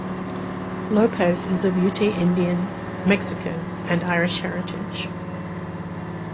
Lopez is of Ute Indian, Mexican, and Irish heritage.